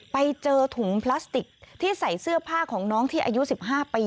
ไปเจอถุงพลาสติกที่ใส่เสื้อผ้าของน้องที่อายุ๑๕ปี